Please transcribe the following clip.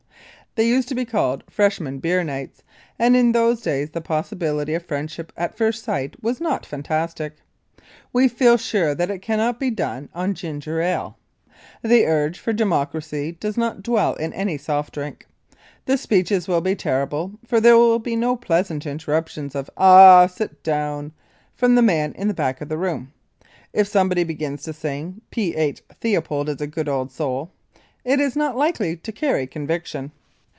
They used to be called Freshmen Beer Nights and in those days the possibility of friendship at first sight was not fantastic. We feel sure that it cannot be done on ginger ale. The urge for democracy does not dwell in any soft drink. The speeches will be terrible, for there will be no pleasant interruptions of "Aw, sit down," from the man in the back of the room. If somebody begins to sing, "P. H. Theopold is a good old soul," it is not likely to carry conviction.